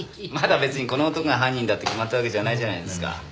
まだ別にこの男が犯人だって決まったわけじゃないじゃないですか。